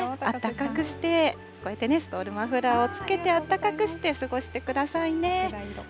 あったかくして、こうやってストール、マフラーをつけて、あったかくして過ごしてくださいね。